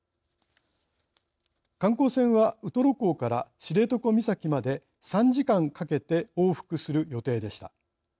観光船はウトロ港から知床岬まで３時間かけて往復する予定でした。